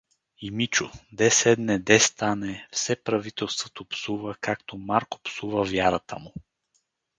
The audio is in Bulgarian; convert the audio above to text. И Мичо, де седне, де стане, все правителството псува, както Марко псува вярата му.